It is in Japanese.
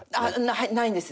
ないんです。